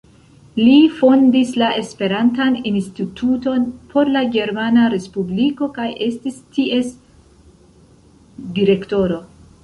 Li fondis la Esperantan Instituton por la Germana Respubliko kaj estis ties direktoro.